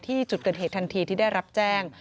ที่จุดเกิดเหตุทันทีที่ได้รับแจ้ง